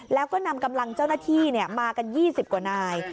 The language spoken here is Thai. แล้วก็นำกำลังเจ้าหน้าที่มากัน๒๐กว่านาย